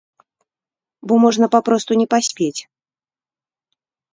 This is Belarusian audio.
Бо можна папросту не паспець.